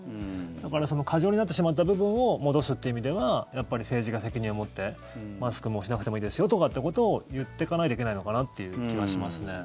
だから過剰になってしまった部分を戻すという意味ではやっぱり政治が責任を持ってマスク、もうしなくてもいいですよとかってことを言ってかないといけないのかなっていう気はしますね。